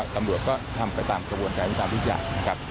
ตำรวจก็ทำไปตามกระบวนการวิตามทุกอย่างนะครับ